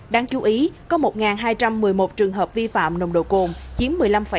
đáng chú ý có một hai trăm một mươi một trường hợp vi phạm nồng độ cồn chiếm một mươi năm sáu